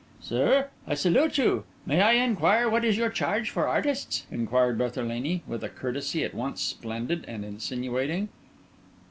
"Sir, I salute you. May I inquire what is your charge for artists?" inquired Berthelini, with a courtesy at once splendid and insinuating.